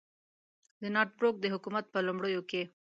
د نارت بروک د حکومت په لومړیو کې.